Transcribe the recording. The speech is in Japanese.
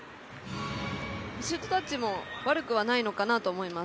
シュートタッチも悪くはないのかなと思います。